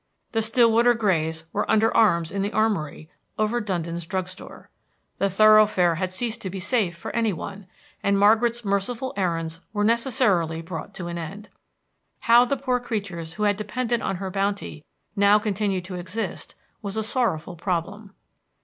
The Stillwater Grays were under arms in the armory over Dundon's drugstore. The thoroughfare had ceased to be safe for any one, and Margaret's merciful errands were necessarily brought to an end. How the poor creatures who had depended on her bounty now continued to exist was a sorrowful problem.